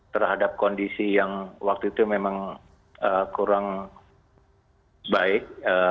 terhadap kondisi yang waktu itu memang kurang baik